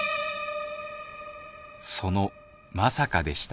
そのまさかでした